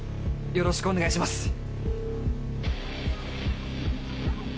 よろしくお願いします！